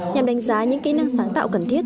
nhằm đánh giá những kỹ năng sáng tạo cần thiết